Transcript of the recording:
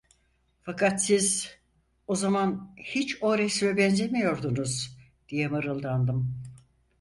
Fakat siz, o zaman hiç o resme benzemiyordunuz! diye mırıldandım.